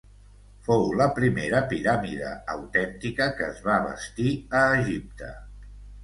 Fou la primera piràmide autèntica que es va bastir a Egipte.